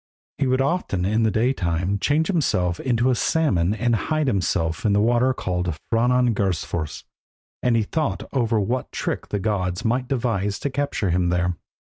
He would often in the day time change himself into a salmon and hide in the water called Franangursfors, and he thought over what trick the gods might devise to capture him there.